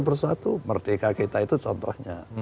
persatu merdeka kita itu contohnya